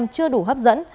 chưa đủ hấp dẫn